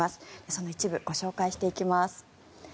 その一部をご紹介していきます。